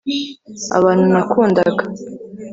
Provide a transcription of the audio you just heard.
abantu nakundaga